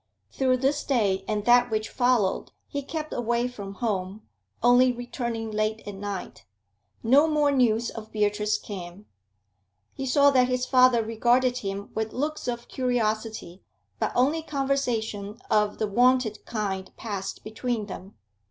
Through this day and that which followed he kept away from home, only returning late at night. No more news of Beatrice came. He saw that his father regarded him with looks of curiosity, but only conversation of the wonted kind passed between them.